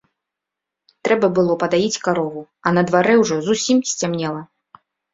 Трэба было падаіць карову, а на дварэ ўжо зусім сцямнела.